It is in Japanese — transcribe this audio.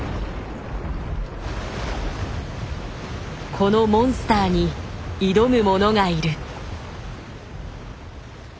このモンスターに挑むものがいる。